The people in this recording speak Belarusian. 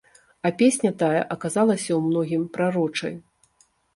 А песня тая аказалася ў многім прарочай.